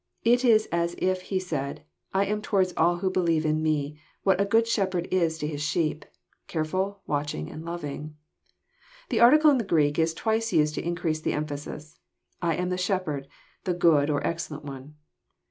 It is as if He said, I am towards all who believe in Me, what a good shepherd is to his sheep, carefUl, watchftil, and loving." The article in the Greek is twice used to increase the emphasis :I am the Shepherd, the good or excellent One."